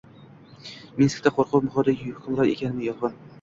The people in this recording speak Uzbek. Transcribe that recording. Minskda qo‘rquv muhiti hukmron ekanmi? Yolg‘on